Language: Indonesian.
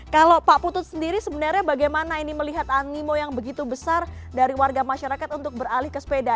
kalau pak putut sendiri sebenarnya bagaimana ini melihat animo yang begitu besar dari warga masyarakat untuk beralih ke sepeda